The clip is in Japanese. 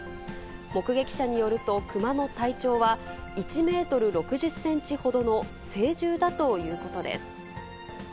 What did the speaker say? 目撃者によると、クマの体長は、１メートル６０センチほどの成獣だということです。